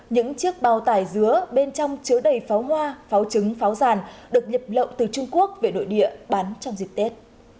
những chiếc bao tải dứa bên trong chứa đầy pháo hoa pháo trứng pháo giàn được nhập lậu từ trung quốc về nội địa bán trong dịp tết